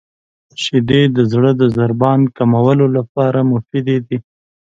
• شیدې د زړه د ضربان کمولو لپاره مفیدې دي.